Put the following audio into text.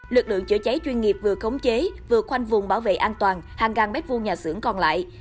lực lượng chữa cháy chuyên nghiệp vừa khống chế vừa khoanh vùng bảo vệ an toàn hàng găng m hai nhà xưởng còn lại